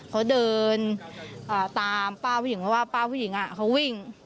เขาเดินตามป้าผู้หญิงเพราะว่าป้าผู้หญิงเขาวิ่ง